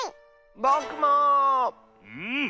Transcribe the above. うん。